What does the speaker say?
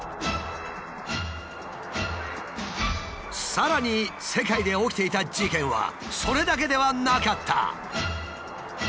さらに世界で起きていた事件はそれだけではなかった。